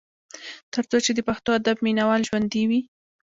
تر څو چې د پښتو ادب مينه وال ژوندي وي ۔